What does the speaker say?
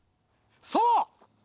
そう！